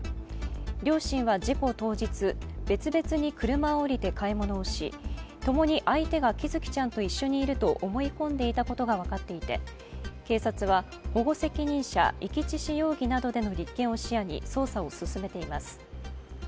両親は事故当日、別々に車を降りて買い物をし、ともに相手が喜寿生ちゃんと一緒にいると思い込んでいたことが分かっていて警察は保護責任者遺棄致死容疑などでの立件を視野に捜査を進めています。